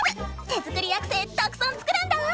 手作りアクセたくさん作るんだぁ！